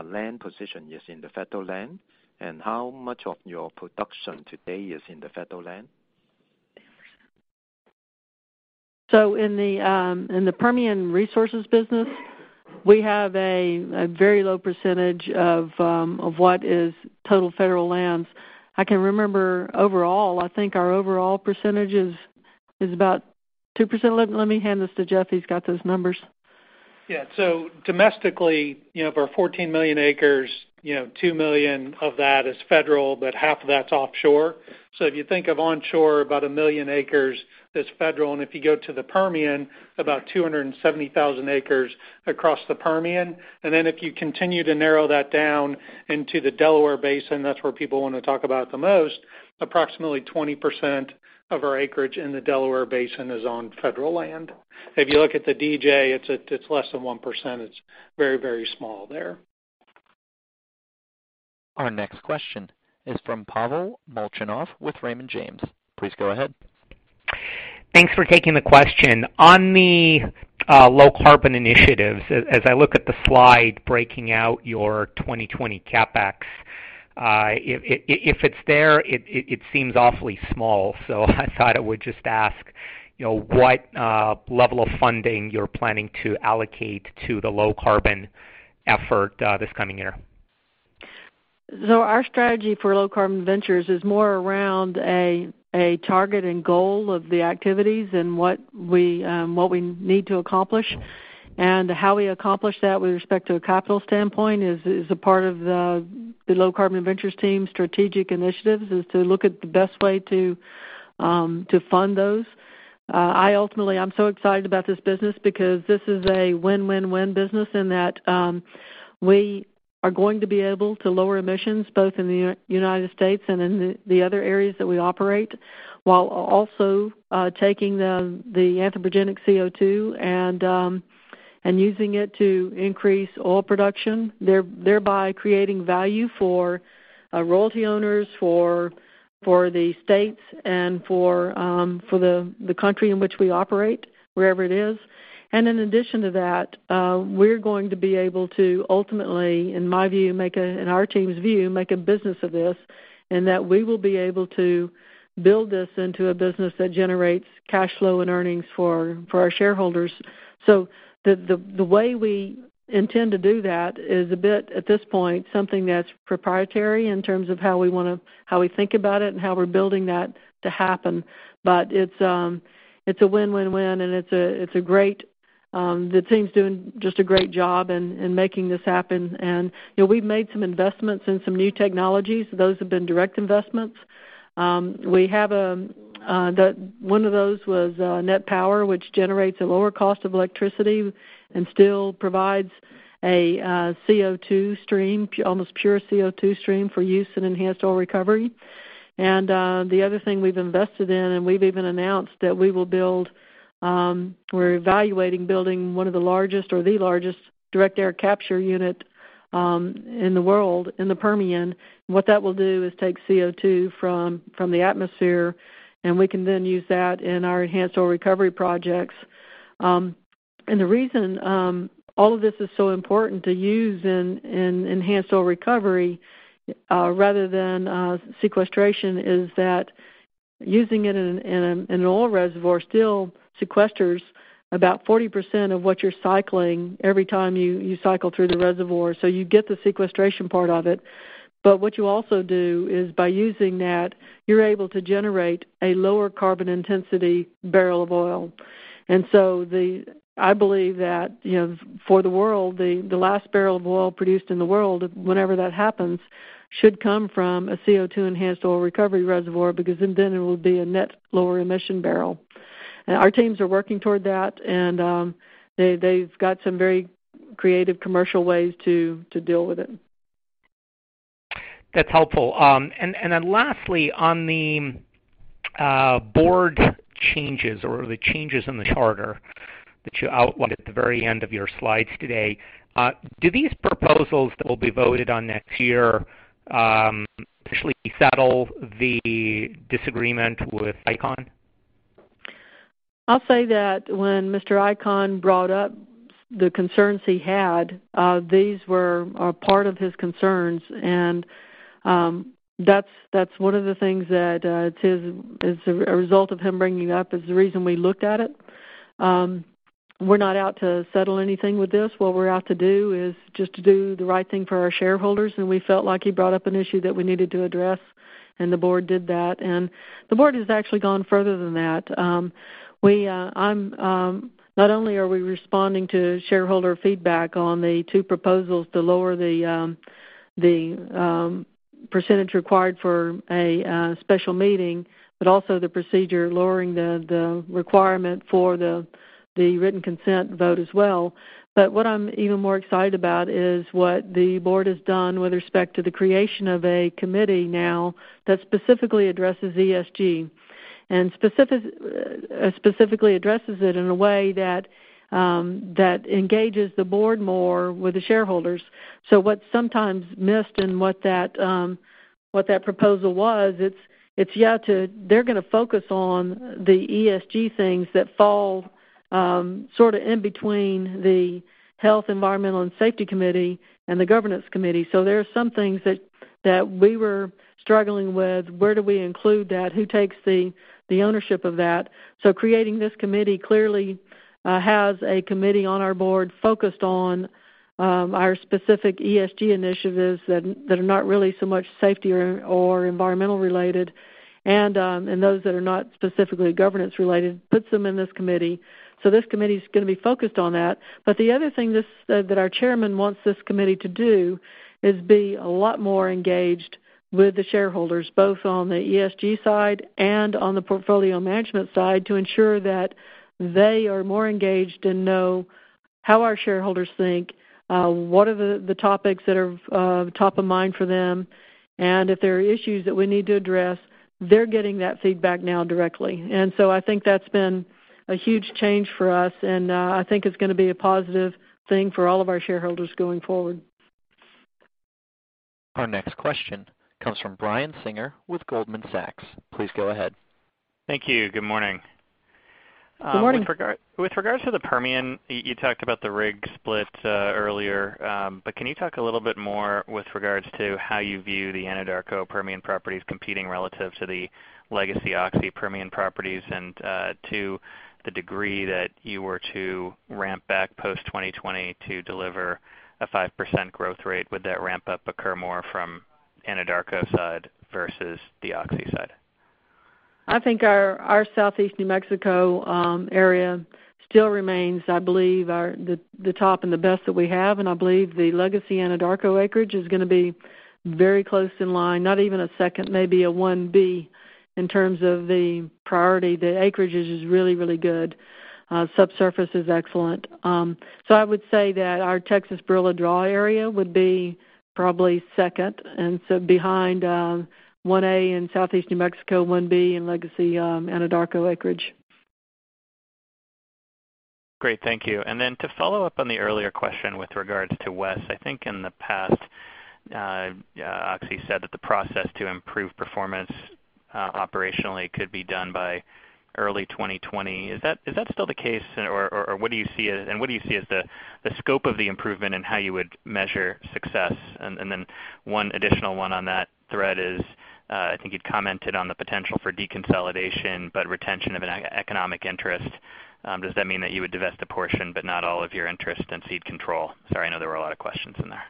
land position is in the federal land? How much of your production today is in the federal land? In the Permian Resources business, we have a very low percentage of what is total federal lands. I can remember overall, I think our overall percentage is about 2%. Let me hand this to Jeff. He's got those numbers. Yeah. Domestically, of our 14 million acres, 2 million of that is federal, but half of that's offshore. If you think of onshore, about 1 million acres is federal, and if you go to the Permian, about 270,000 acres across the Permian. If you continue to narrow that down into the Delaware Basin, that's where people want to talk about the most, approximately 20% of our acreage in the Delaware Basin is on federal land. If you look at the DJ, it's less than 1%. It's very, very small there. Our next question is from Pavel Molchanov with Raymond James. Please go ahead. Thanks for taking the question. On the low carbon initiatives, as I look at the slide breaking out your 2020 CapEx, if it's there, it seems awfully small. I thought I would just ask what level of funding you're planning to allocate to the low carbon effort this coming year? Our strategy for Low Carbon Ventures is more around a target and goal of the activities and what we need to accomplish. How we accomplish that with respect to a capital standpoint is a part of the Low Carbon Ventures team's strategic initiatives, is to look at the best way to fund those. Ultimately, I'm so excited about this business because this is a win-win-win business in that we are going to be able to lower emissions both in the U.S. and in the other areas that we operate, while also taking the anthropogenic CO2 and using it to increase oil production, thereby creating value for royalty owners, for the states, and for the country in which we operate, wherever it is. In addition to that, we're going to be able to ultimately, in my view, and our team's view, make a business of this, in that we will be able to build this into a business that generates cash flow and earnings for our shareholders. The way we intend to do that is a bit, at this point, something that's proprietary in terms of how we think about it and how we're building that to happen. It's a win-win-win, and the team's doing just a great job in making this happen. We've made some investments in some new technologies. Those have been direct investments. One of those was NET Power, which generates a lower cost of electricity and still provides a CO2 stream, almost pure CO2 stream for use in enhanced oil recovery. The other thing we've invested in, and we've even announced that we will build, we're evaluating building one of the largest or the largest direct air capture unit in the world in the Permian. That will do is take CO2 from the atmosphere, and we can then use that in our enhanced oil recovery projects. The reason all of this is so important to use in enhanced oil recovery, rather than sequestration, is that using it in an oil reservoir still sequesters about 40% of what you're cycling every time you cycle through the reservoir, so you get the sequestration part of it. What you also do is by using that, you're able to generate a lower carbon intensity barrel of oil. I believe that for the world, the last barrel of oil produced in the world, whenever that happens, should come from a CO2 enhanced oil recovery reservoir, because then it will be a net lower emission barrel. They've got some very creative commercial ways to deal with it. That's helpful. Lastly, on the board changes or the changes in the charter that you outlined at the very end of your slides today, do these proposals that will be voted on next year officially settle the disagreement with Icahn? I'll say that when Mr. Icahn brought up the concerns he had, these were a part of his concerns. That's one of the things that as a result of him bringing it up is the reason we looked at it. We're not out to settle anything with this. What we're out to do is just to do the right thing for our shareholders. We felt like he brought up an issue that we needed to address. The board did that. The board has actually gone further than that. Not only are we responding to shareholder feedback on the two proposals to lower the percentage required for a special meeting, also the procedure lowering the requirement for the written consent vote as well. What I'm even more excited about is what the board has done with respect to the creation of a committee now that specifically addresses ESG and specifically addresses it in a way that engages the board more with the shareholders. What's sometimes missed in what that proposal was, they're going to focus on the ESG things that fall sort of in between the Health, Environmental, and Safety Committee and the Governance Committee. There are some things that we were struggling with. Where do we include that? Who takes the ownership of that? Creating this committee clearly has a committee on our board focused on our specific ESG initiatives that are not really so much safety or environmental related, and those that are not specifically governance related, puts them in this committee. This committee is going to be focused on that. The other thing that our chairman wants this committee to do is be a lot more engaged with the shareholders, both on the ESG side and on the portfolio management side, to ensure that they are more engaged and know how our shareholders think, what are the topics that are top of mind for them, and if there are issues that we need to address, they're getting that feedback now directly. I think that's been a huge change for us, and I think it's going to be a positive thing for all of our shareholders going forward. Our next question comes from Brian Singer with Goldman Sachs. Please go ahead. Thank you. Good morning. Good morning. With regards to the Permian, you talked about the rig split earlier, but can you talk a little bit more with regards to how you view the Anadarko Permian properties competing relative to the legacy Oxy Permian properties? To the degree that you were to ramp back post-2020 to deliver a 5% growth rate, would that ramp up occur more from Anadarko's side versus the Oxy side? I think our Southeast New Mexico area still remains, I believe, the top and the best that we have, and I believe the legacy Anadarko acreage is going to be very close in line, not even a second, maybe a 1B in terms of the priority. The acreage is really good. Subsurface is excellent. I would say that our Texas Barilla Draw area would be probably second, and so behind 1A in Southeast New Mexico, 1B in legacy Anadarko acreage. Great. Thank you. Then to follow up on the earlier question with regards to WES, I think in the past, Oxy said that the process to improve performance operationally could be done by early 2020. Is that still the case, and what do you see as the scope of the improvement and how you would measure success? Then one additional one on that thread is, I think you'd commented on the potential for deconsolidation, but retention of an economic interest. Does that mean that you would divest a portion but not all of your interest and cede control? Sorry, I know there were a lot of questions in there.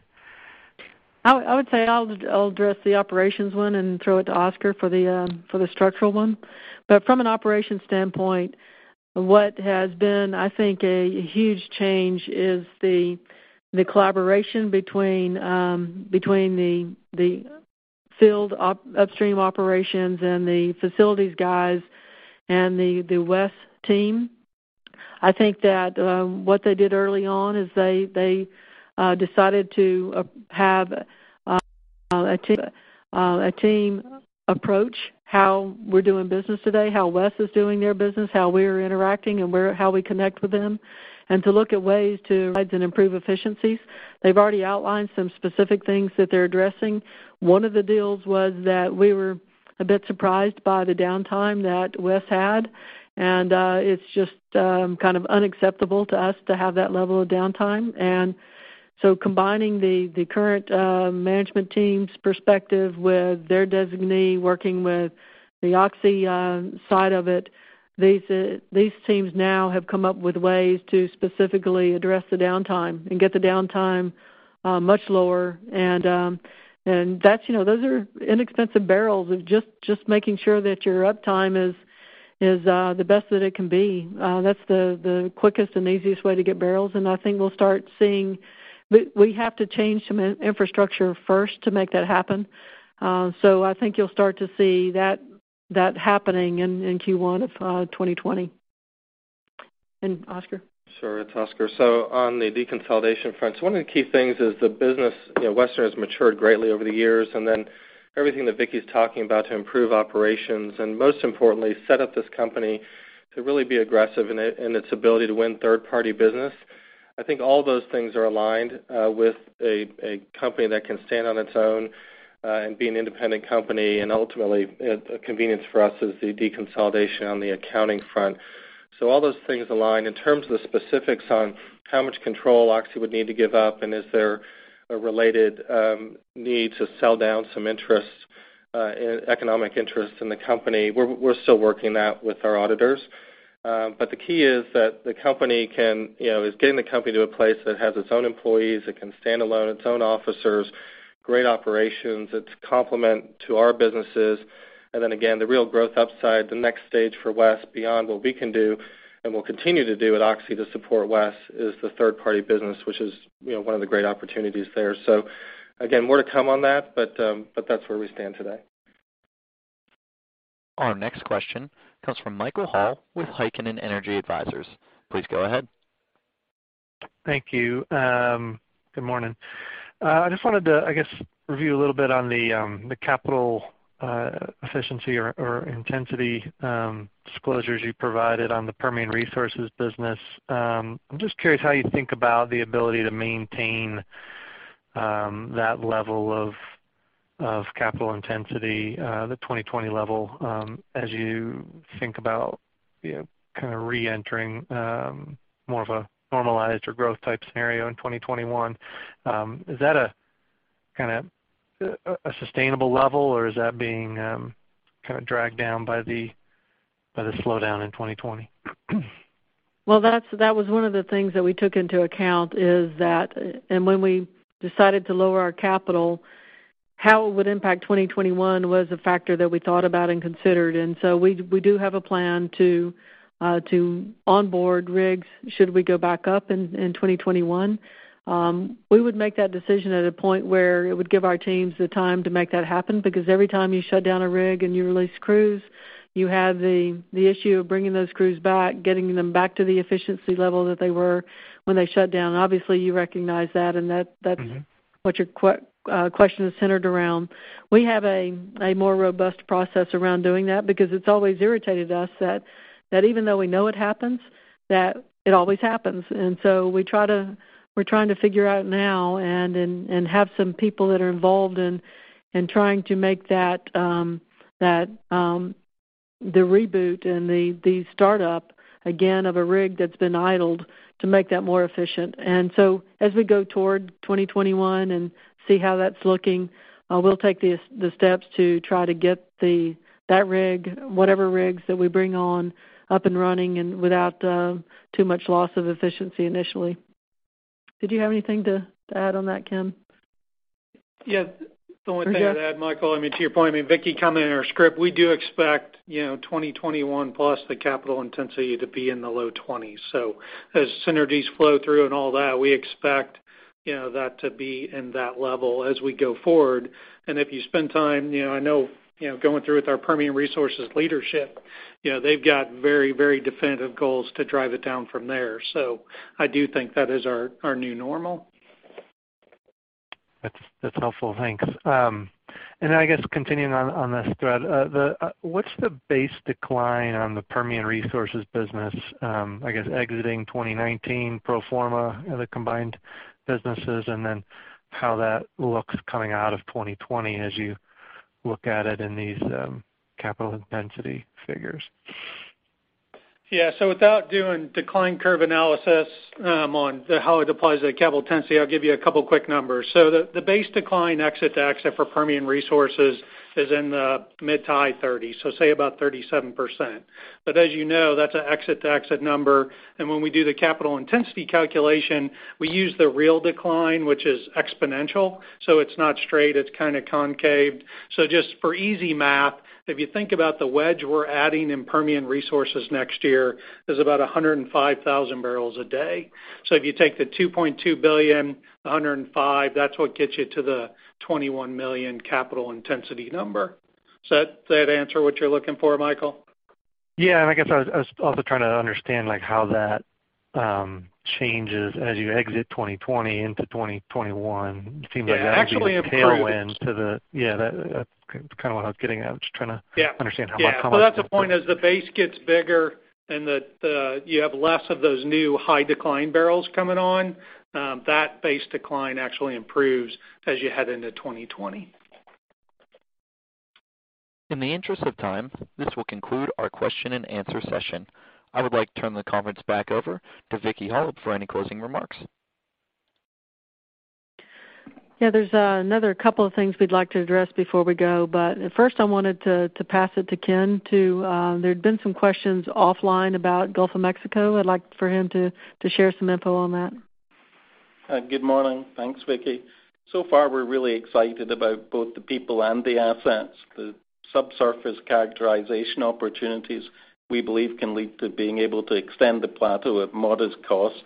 I would say I'll address the operations one and throw it to Oscar for the structural one. From an operations standpoint, what has been, I think, a huge change is the collaboration between the field upstream operations and the facilities guys and the WES team. I think that what they did early on is they decided to have a team approach, how we're doing business today, how WES is doing their business, how we're interacting, and how we connect with them, and to look at ways to provide and improve efficiencies. They've already outlined some specific things that they're addressing. One of the deals was that we were a bit surprised by the downtime that WES had, and it's just kind of unacceptable to us to have that level of downtime. Combining the current management team's perspective with their designee working with the Oxy side of it, these teams now have come up with ways to specifically address the downtime and get the downtime much lower. Those are inexpensive barrels of just making sure that your uptime is the best that it can be. That's the quickest and easiest way to get barrels, and I think we'll start seeing. We have to change some infrastructure first to make that happen. I think you'll start to see that happening in Q1 of 2020. Oscar? Sure. It's Oscar. On the deconsolidation front, one of the key things is the business. WES has matured greatly over the years, and everything that Vicki's talking about to improve operations and most importantly, set up this company to really be aggressive in its ability to win third-party business. I think all those things are aligned with a company that can stand on its own and be an independent company, and ultimately, a convenience for us is the deconsolidation on the accounting front. All those things align. In terms of the specifics on how much control Oxy would need to give up and is there a related need to sell down some economic interest in the company, we're still working that with our auditors. The key is that the company is getting the company to a place that has its own employees, it can stand alone, its own officers, great operations. It's complement to our businesses. Again, the real growth upside, the next stage for WES beyond what we can do and will continue to do at Oxy to support WES is the third-party business, which is one of the great opportunities there. Again, more to come on that, but that's where we stand today. Our next question comes from Michael Hall with Heikkinen Energy Advisers. Please go ahead. Thank you. Good morning. I just wanted to, I guess, review a little bit on the capital efficiency or intensity disclosures you provided on the Permian Resources business. I'm just curious how you think about the ability to maintain that level of capital intensity, the 2020 level, as you think about kind of reentering more of a normalized or growth type scenario in 2021. Is that a sustainable level or is that being dragged down by the slowdown in 2020? Well, that was one of the things that we took into account is that. When we decided to lower our capital, how it would impact 2021 was a factor that we thought about and considered. We do have a plan to onboard rigs should we go back up in 2021. We would make that decision at a point where it would give our teams the time to make that happen, because every time you shut down a rig and you release crews, you have the issue of bringing those crews back, getting them back to the efficiency level that they were when they shut down. Obviously, you recognize that. that's what your question is centered around. We have a more robust process around doing that because it's always irritated us that even though we know it happens, that it always happens. We're trying to figure out now and have some people that are involved in trying to make the reboot and the startup again of a rig that's been idled to make that more efficient. As we go toward 2021 and see how that's looking, we'll take the steps to try to get that rig, whatever rigs that we bring on, up and running and without too much loss of efficiency initially. Did you have anything to add on that, Ken? Yeah. The only thing I'd add, Michael, to your point, Vicki commented in our script, we do expect 2021 plus the capital intensity to be in the low twenties. As synergies flow through and all that, we expect that to be in that level as we go forward. If you spend time, I know going through with our Permian Resources leadership, they've got very definitive goals to drive it down from there. I do think that is our new normal. That's helpful. Thanks. Then, I guess continuing on this thread, what's the base decline on the Permian Resources business, I guess exiting 2019 pro forma, the combined businesses, and then how that looks coming out of 2020 as you look at it in these capital intensity figures? Yeah. Without doing decline curve analysis on how it applies to capital intensity, I'll give you a couple quick numbers. The base decline exit-to-exit for Permian Resources is in the mid-to-high 30s, say about 37%. As you know, that's an exit-to-exit number, and when we do the capital intensity calculation, we use the real decline, which is exponential. It's not straight, it's kind of concaved. Just for easy math, if you think about the wedge we're adding in Permian Resources next year, is about 105,000 barrels a day. If you take the $2.2 billion, 105, that's what gets you to the $21 million capital intensity number. Does that answer what you're looking for, Michael? Yeah, I guess I was also trying to understand how that changes as you exit 2020 into 2021. It seems like. Yeah. Actually improves. that would be the tail end to the Yeah, that's kind of what I was getting at. Yeah understand how much Yeah. Well, that's the point. As the base gets bigger and that you have less of those new high decline barrels coming on, that base decline actually improves as you head into 2020. In the interest of time, this will conclude our question and answer session. I would like to turn the conference back over to Vicki Hollub for any closing remarks. Yeah, there's another couple of things we'd like to address before we go, but first I wanted to pass it to Ken. There'd been some questions offline about Gulf of Mexico. I'd like for him to share some info on that. Good morning. Thanks, Vicki. So far we're really excited about both the people and the assets. The subsurface characterization opportunities, we believe, can lead to being able to extend the plateau at modest cost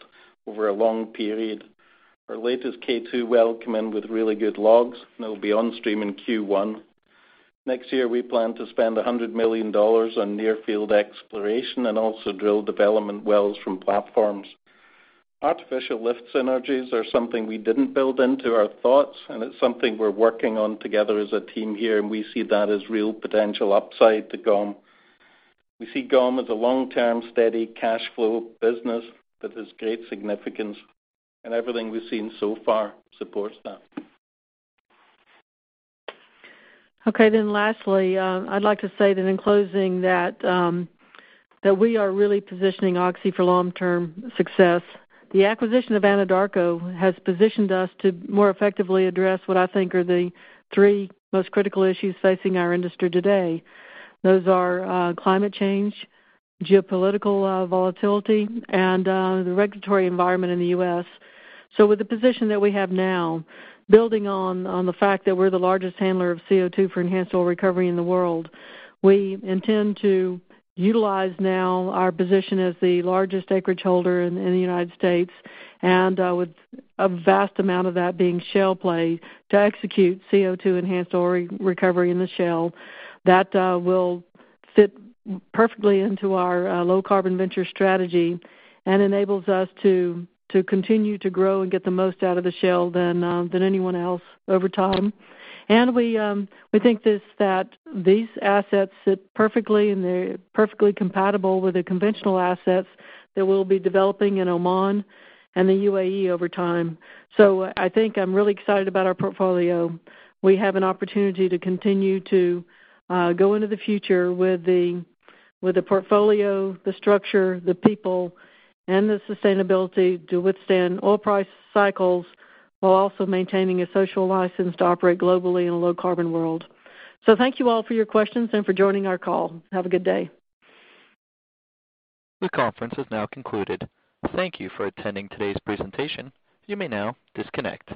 over a long period. Our latest K2 well came in with really good logs, and it'll be on stream in Q1. Next year, we plan to spend $100 million on near field exploration and also drill development wells from platforms. Artificial lift synergies are something we didn't build into our thoughts, and it's something we're working on together as a team here, and we see that as real potential upside to GOM. We see GOM as a long-term, steady cashflow business that has great significance, and everything we've seen so far supports that. Lastly, I'd like to say that in closing that we are really positioning Oxy for long-term success. The acquisition of Anadarko has positioned us to more effectively address what I think are the three most critical issues facing our industry today. Those are climate change, geopolitical volatility, and the regulatory environment in the U.S. With the position that we have now, building on the fact that we're the largest handler of CO2 for enhanced oil recovery in the world, we intend to utilize now our position as the largest acreage holder in the U.S., and with a vast amount of that being shale play to execute CO2 enhanced oil recovery in the shale. That will fit perfectly into our Oxy Low Carbon Ventures strategy and enables us to continue to grow and get the most out of the shale than anyone else over time. We think that these assets sit perfectly and they're perfectly compatible with the conventional assets that we'll be developing in Oman and the UAE over time. I think I'm really excited about our portfolio. We have an opportunity to continue to go into the future with the portfolio, the structure, the people, and the sustainability to withstand oil price cycles while also maintaining a social license to operate globally in a low carbon world. Thank you all for your questions and for joining our call. Have a good day. This conference is now concluded. Thank you for attending today's presentation. You may now disconnect.